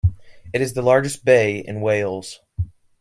It is the largest bay in Wales.